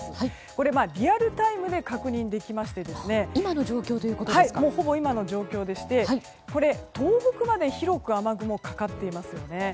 これはリアルタイムで確認できましてほぼ今の状況でして東北まで広く雨雲がかかっていますよね。